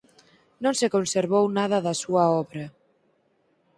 Non se conservou nada da súa obra.